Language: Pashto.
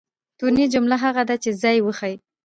توني؛ جمله هغه ده، چي ځای وښیي.